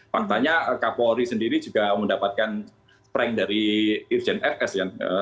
faktanya kapolri sendiri juga mendapatkan prank dari irjen fks